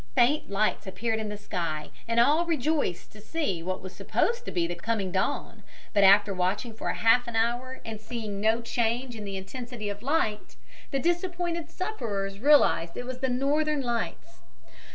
faint lights appeared in the sky and all rejoiced to see what was supposed to be the coming dawn, but after watching for half an hour and seeing no change in the intensity of the light, the disappointed sufferers realized it was the Northern Lights.